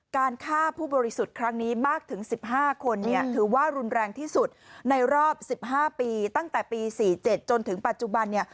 การฆ่าผู้บริสุทธิ์ครั้งนี้มากถึง๑๕คนเนี่ยถือว่ารุนแรงที่สุดในรอบ๑๕ปีตั้งแต่ปี๔๗จนถึงปัจจุบันเนี่ย